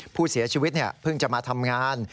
ผู้เสียชีวิตเพิ่งจะมาทำงาน